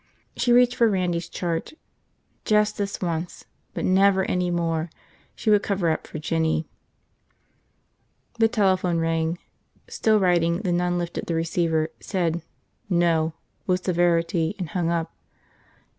She reached for Randy's chart. Just this once – but never any more – she would cover up for Jinny. The telephone rang. Still writing, the nun lifted the receiver, said "No!" with severity, and hung up.